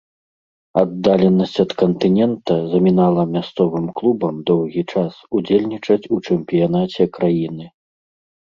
Аддаленасць ад кантынента замінала мясцовым клубам доўгі час удзельнічаць у чэмпіянаце краіны.